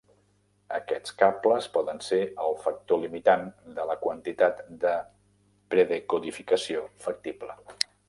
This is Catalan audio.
Aquests cables poden ser el factor limitant de la quantitat de predecodificació factible.